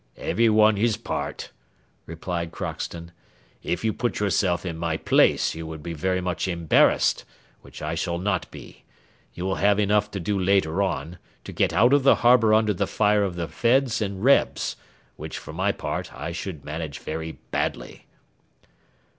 "Everyone his part," replied Crockston; "if you put yourself in my place you would be very much embarrassed, which I shall not be; you will have enough to do later on to get out of the harbour under the fire of the Feds and Rebs, which, for my part, I should manage very badly."